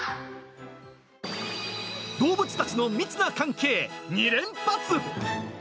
動物たちの密な関係２連発！